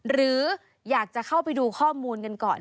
หรืออยากจะเข้าไปดูข้อมูลกันก่อน